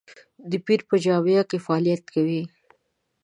د پیر په جامه کې فعالیت کوي.